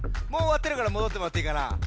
もうおわってるからもどってもらっていいかな。